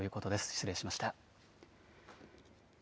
失礼しました。